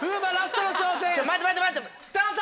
スタート！